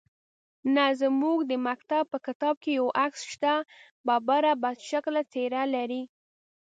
_نه، زموږ د مکتب په کتاب کې يې عکس شته. ببره، بدشکله څېره لري.